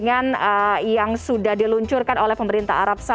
assalamualaikum wr wb